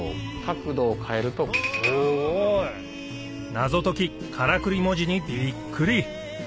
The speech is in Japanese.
謎解きからくり文字にびっくり！